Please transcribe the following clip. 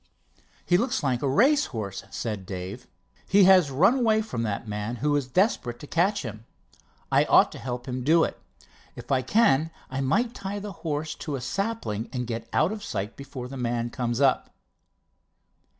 "He looks like a race horse," said Dave. "He has run away from that man, who is desperate to catch him. I ought to help him do it. If I can, I might tie the horse to a sapling and get out of sight before the man comes up."